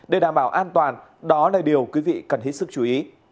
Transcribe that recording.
để đảm bảo an toàn đó là điều quý vị cần hết sức chú ý